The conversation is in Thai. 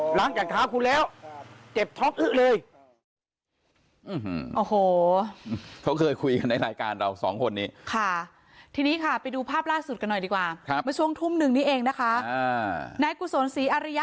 หลังจากเท้ากูแล้วเจ็บท้องอึ๊ะเลย